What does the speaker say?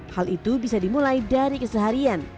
hal itu bisa dimulai dari keseharian